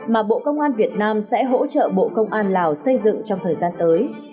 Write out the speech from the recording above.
mà bộ công an việt nam sẽ hỗ trợ bộ công an lào xây dựng trong thời gian tới